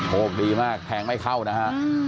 โชคดีมากแทงไม่เข้านะฮะ